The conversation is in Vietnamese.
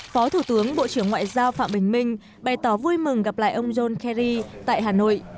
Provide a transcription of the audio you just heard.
phó thủ tướng bộ trưởng ngoại giao phạm bình minh bày tỏ vui mừng gặp lại ông john kerry tại hà nội